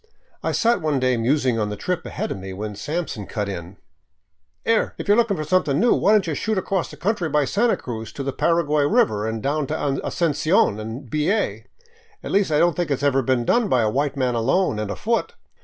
I sat one day musing on the trip ahead of me, when Sampson cut in: " 'Ere ! If you 're looking for something new, why don't you shoot across country by Santa Cruz to the Paraguay river and down to Asuncion and B. A. ? Least I don't think it 's never been done by a white man alone and afoot."